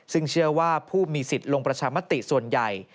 ซึ่งเชื่อว่าผู้มีสิทธิ์ลงประชามติส่วนใหญ่